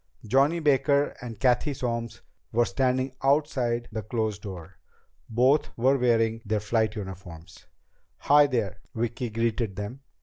Johnny Baker and Cathy Solms were standing outside the closed door. Both were wearing their flight uniforms. "Hi, there," Vicki greeted them.